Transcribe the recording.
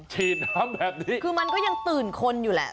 ฉีดน้ำแบบนี้คือมันก็ยังตื่นคนอยู่แหละ